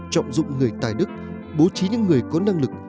trọng dụng người tài đức bố trí những người có năng lực